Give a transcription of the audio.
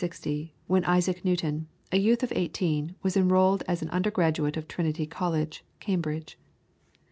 ] It was the 5th of June, 1660, when Isaac Newton, a youth of eighteen, was enrolled as an undergraduate of Trinity College, Cambridge.